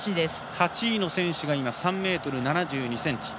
８位の選手が３ｍ７２ｃｍ。